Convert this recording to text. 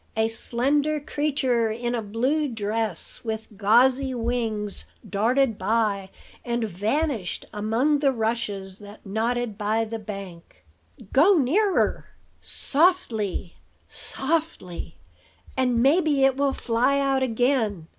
A slender creature, in a blue dress, with gauzy wings, darted by, and vanished among the rushes that nodded by the bank. "Go nearer, softly! softly! and maybe it will fly out again.